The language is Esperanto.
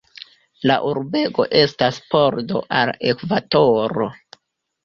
La urbego estas pordo al Ekvatoro.